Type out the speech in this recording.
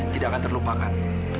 tidak akan terlupakan